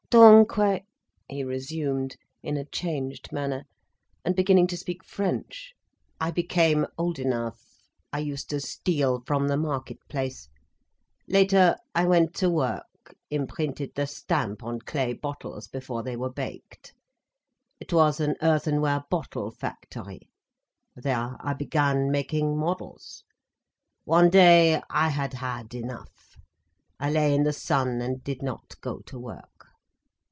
"Dunque—" he resumed, in a changed manner, and beginning to speak French—"I became old enough—I used to steal from the market place. Later I went to work—imprinted the stamp on clay bottles, before they were baked. It was an earthenware bottle factory. There I began making models. One day, I had had enough. I lay in the sun and did not go to work.